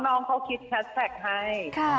น้องเขาคิดแชทแพคให้